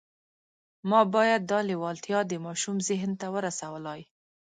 ما باید دا لېوالتیا د ماشوم ذهن ته ورسولای